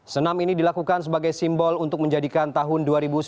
senam ini dilakukan sebagai simbol untuk menjadikan tahun dua ribu sembilan belas